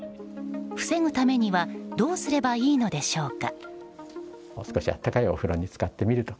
防ぐためにはどうすればいいのでしょうか。